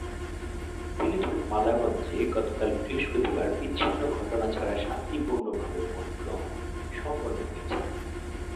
সিলেটের বালাগঞ্জে গতকাল বৃহস্পতিবার বিচ্ছিন্ন ঘটনা ছাড়া শান্তিপূর্ণভাবে ভোট গ্রহণ সম্পন্ন হয়েছে।